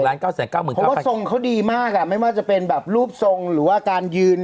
เพราะว่าทรงเขาดีมากไม่ว่าจะเป็นแบบรูปทรงหรือว่าการยืน